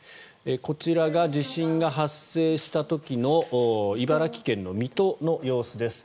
こちらが地震が発生した時の茨城県の水戸の様子です。